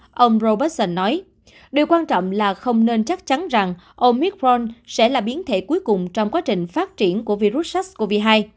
và ông robertson nói điều quan trọng là không nên chắc chắn rằng omicron sẽ là biến thể cuối cùng trong quá trình phát triển của virus sars cov hai